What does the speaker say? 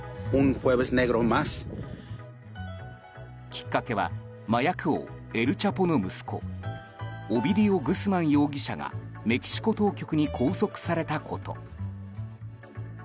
きっかけは麻薬王エル・チャポの息子オビディオ・グスマン容疑者がメキシコ当局に拘束されたこと。